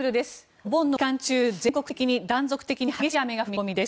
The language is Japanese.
お盆の期間中全国的に断続的に激しい雨が降る見込みです。